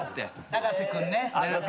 長瀬君ね。